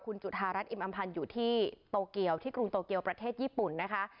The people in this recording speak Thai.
คุณจุธารัฐอิมอำพันธ์อยู่ที่โตเกียวที่กรุงโตเกียวประเทศญี่ปุ่นนะคะ